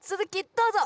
どうぞ！